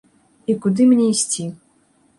І куды мне ісці?